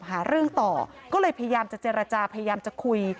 หาเรื่องต่อก็เลยพยายามจะเจรจาพยายามจะคุย